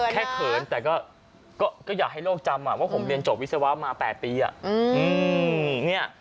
เขินแต่ก็อยากให้โลกจำว่าผมเรียนจบวิศวะมา๘ปี